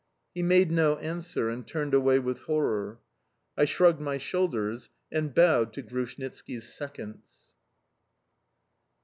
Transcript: He made no answer, and turned away with horror. I shrugged my shoulders and bowed to Grushnitski's seconds.